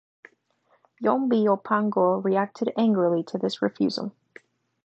Yhombi-Opango reacted angrily to this refusal.